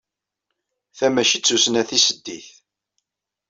Ta mačči d tussna tiseddit.